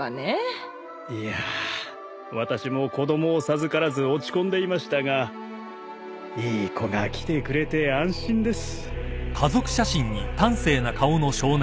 いやぁ私も子供を授からず落ち込んでいましたがいい子が来てくれて安心です。